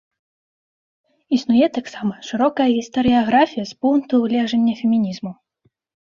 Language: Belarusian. Існуе таксама шырокая гістарыяграфія з пункту гледжання фемінізму.